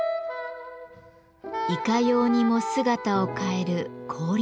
いかようにも姿を変える氷の芸術。